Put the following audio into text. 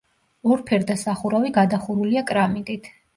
ორფერდა სახურავი გადახურულია კრამიტით.